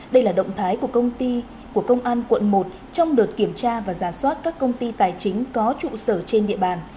đây là động thái của công an quận một trong đợt kiểm tra và giả soát các công ty tài chính có trụ sở trên địa bàn